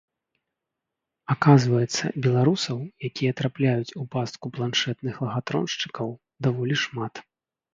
Аказваецца, беларусаў, якія трапляюць у пастку планшэтных лахатроншчыкаў, даволі шмат.